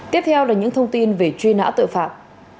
tiếp theo là những thông tin về truy nã tội phạm